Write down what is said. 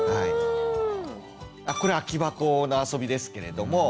これは空き箱のあそびですけれども。